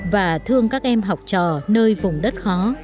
và thương các em học trò nơi vùng đất khó